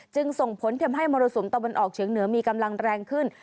จึงส่งผลทำให้มรสุมตะวันออกเฉียงเหนือมีกำลังแรงขึ้น